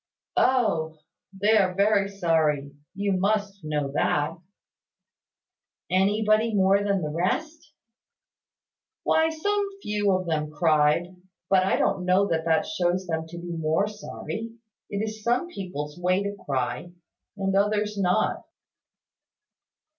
"Oh! They are very sorry; you must know that." "Anybody more than the rest?" "Why some few of them cried; but I don't know that that shows them to be more sorry. It is some people's way to cry and others not."